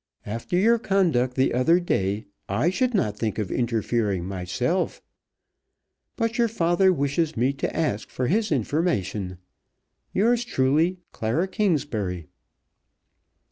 After your conduct the other day I should not think of interfering myself; but your father wishes me to ask for his information. Yours truly, CLARA KINGSBURY.